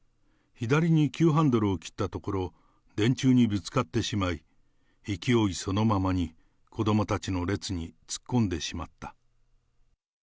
左に急ハンドルを切ったところ、電柱にぶつかってしまい、勢いそのままに、子どもたちの列に突っ込んでしまった。